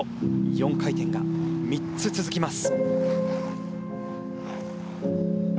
４回転が３つ続きます。